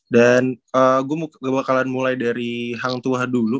dan gue bakalan mulai dari hang tuah dulu